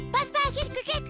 キックキック！